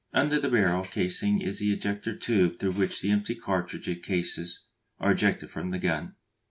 Under the barrel casing is the ejector tube through which the empty cartridge cases are ejected from the gun.